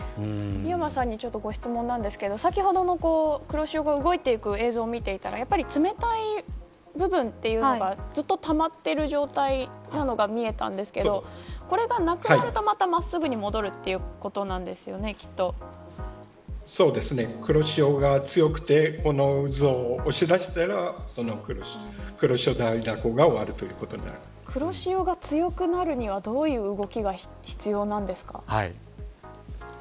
美山さんに質問なんですけど先ほどの黒潮が動いていく映像を見ていたらやっぱり冷たい部分というのがずっとたまっている状態なのが見えたんですけどこれがなくなると、また真っすぐに戻るそうですね、黒潮が強くてこの渦を押し出したら黒潮大蛇行が黒潮が強くなるにはどういう動きが必要なんですか。